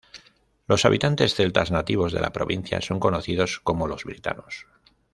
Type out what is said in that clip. Los habitantes celtas nativos de la provincia son conocidos como los britanos.